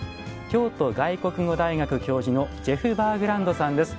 京都外国語大学教授のジェフ・バーグランドさんです。